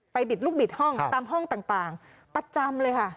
บิดลูกบิดห้องตามห้องต่างประจำเลยค่ะ